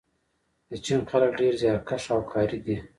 د چین خلک ډېر زیارکښ او کاري دي.